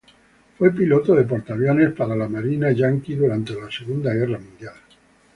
Fue piloto de portaaviones para la marina estadounidense durante la Segunda Guerra Mundial.